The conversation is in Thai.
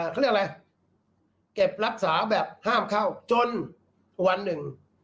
เขาเรียกอะไรเก็บรักษาแบบห้ามเข้าจนวันหนึ่ง